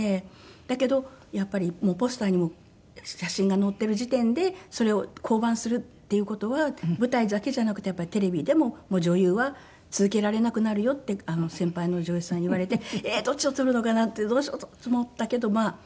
だけどやっぱりポスターにも写真が載っている時点でそれを降板するっていう事は舞台だけじゃなくてテレビでも女優は続けられなくなるよって先輩の女優さんに言われてええーどっちを取るのかなってどうしようと思ったけどまあ。